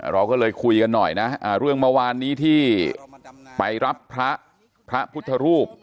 เราก็เลยคุยกันหน่อยนะเรื่องเมื่อวานนี้ที่ไปรับพระพระพุทธรูป